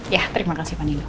ya terima kasih pak nino